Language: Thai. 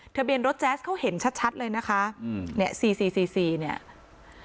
ทะเบียนรถแจ๊สเขาเห็นชัดชัดเลยนะคะอืมเนี่ยสี่สี่สี่สี่เนี่ย